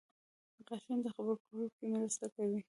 • غاښونه د خبرو کولو کې مرسته کوي.